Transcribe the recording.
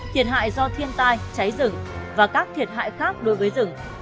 thiệt hại do thiên tai cháy rừng và các thiệt hại khác đối với rừng